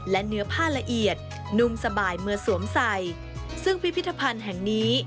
และเนื้อผ้าละเอียดนุ่มสบายเมื่อสวมใส่ซึ่งพิพิธภัณฑ์แห่งนี้